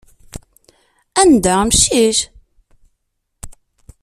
Anda amcic?